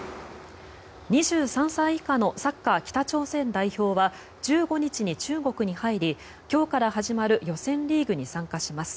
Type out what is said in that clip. ２３歳以下のサッカー北朝鮮代表は１５日に中国に入り今日から始まる予選リーグに参加します。